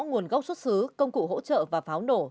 nguồn gốc xuất xứ công cụ hỗ trợ và pháo nổ